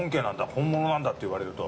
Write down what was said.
「本物なんだ」って言われると。